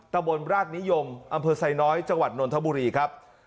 ตะบนราชนิยมอำเภอไซน้อยจังหวัดนนทบุรีครับ